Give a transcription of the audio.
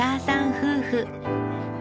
夫婦